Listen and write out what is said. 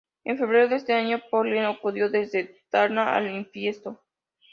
En febrero de ese año Porlier acudió desde Tarna a Infiesto.